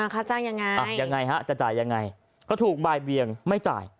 ค่าจ้างยังไงยังไงฮะจะจ่ายยังไงก็ถูกบ่ายเบียงไม่จ่าย